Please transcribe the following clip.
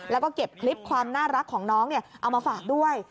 แล้วก็เก็บคลิปความน่ารักของน้องเอามาฝากด้วย